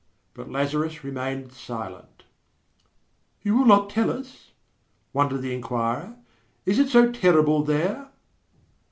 But Lazarus remained silent. "You will not tell us?" wondered the inquirer. "Is it so terrible There?"